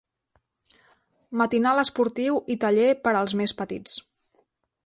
Matinal esportiu i taller per als més petits.